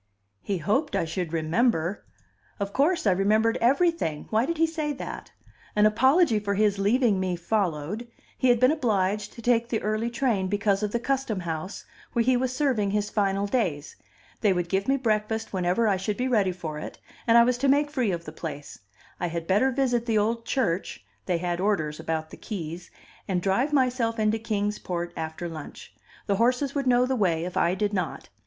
He hoped I should remember! Of course I remembered everything; why did he say that? An apology for his leaving me followed; he had been obliged to take the early train because of the Custom House, where he was serving his final days; they would give me breakfast when ever I should be ready for it, and I was to make free of the place; I had better visit the old church (they had orders about the keys) and drive myself into Kings Port after lunch; the horses would know the way, if I did not.